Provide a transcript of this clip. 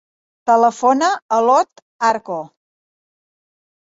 Telefona a l'Ot Arco.